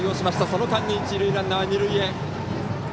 その間に一塁ランナーは二塁へ。